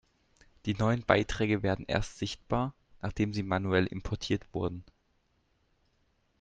Die neuen Beiträge werden erst sichtbar, nachdem sie manuell importiert wurden.